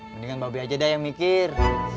mendingan baby aja deh yang mikir